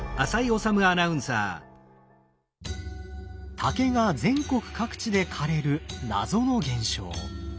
竹が全国各地で枯れる謎の現象。